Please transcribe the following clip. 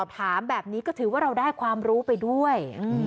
ถามแบบนี้ก็ถือว่าเราได้ความรู้ไปด้วย